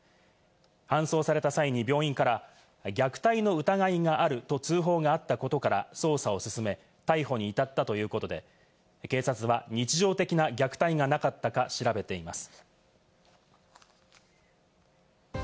搬送された際に病院から虐待の疑いがあると通報があったことから、捜査をすすめ、逮捕に至ったということで、警察は日常的な虐待がなかったか調べています。